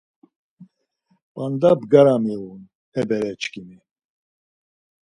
P̌anda bgara miğun, e bere çkimi.